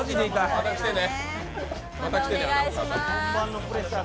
また来てね。